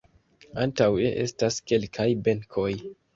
Antaŭe estas kelkaj benkoj.